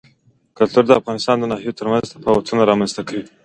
کلتور د افغانستان د ناحیو ترمنځ تفاوتونه رامنځ ته کوي.